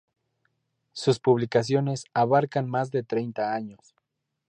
Sus publicaciones abarcan más de treinta años.